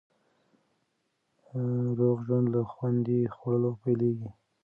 روغ ژوند له خوندي خوړو پیلېږي.